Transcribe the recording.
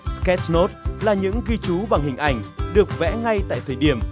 sketch note là những ghi chú bằng hình ảnh được vẽ ngay tại thời điểm